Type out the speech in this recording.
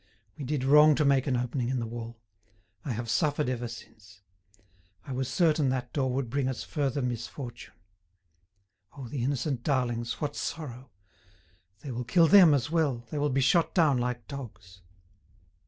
We did wrong to make an opening in the wall. I have suffered ever since. I was certain that door would bring us further misfortune—Oh! the innocent darlings, what sorrow! They will kill them as well, they will be shot down like dogs."